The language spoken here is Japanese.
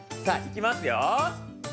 さあいきますよ。